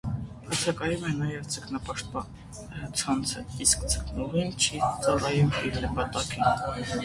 Բացակայում է նաև ձկնապաշտպան ցանցը, իսկ ձկնուղին չի ծառայում իր նպատակին։